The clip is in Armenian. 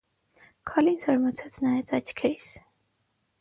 Քալին զարմացած նայեց աչքերիս: